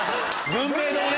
文明堂ね！